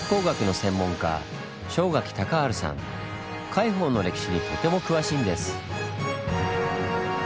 海堡の歴史にとても詳しいんです。